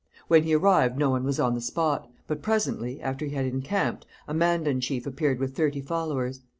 When he arrived no one was on the spot; but presently, after he had encamped, a Mandan chief appeared with thirty followers.